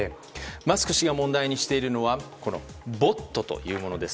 マスク氏が問題にしているのはボットという言葉です。